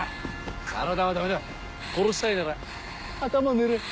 体はダメだ殺したいなら頭狙え。